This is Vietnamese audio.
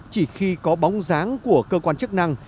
chỉ khi có bóng dáng của cơ quan chức năng